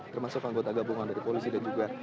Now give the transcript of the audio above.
termasuk anggota gabungan dari polisi dan juga